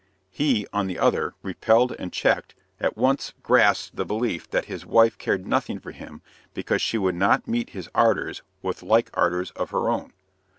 He, on the other, repelled and checked, at once grasped the belief that his wife cared nothing for him because she would not meet his ardors with like ardors of her own.